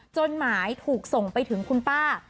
หมายถูกส่งไปถึงคุณป้า